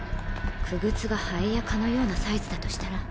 傀儡がハエや蚊のようなサイズだとしたら？